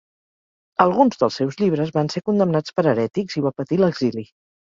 Alguns dels seus llibres van ser condemnats per herètics i va patir l'exili.